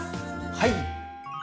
はい！